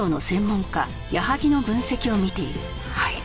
「はい」